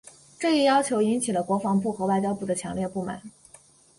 这一要求引起了国防部和外交部的强烈不满。